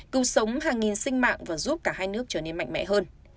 cứu sống hàng nghìn sinh mạng và giúp cả hai nước trở nên mạnh mẽ hơn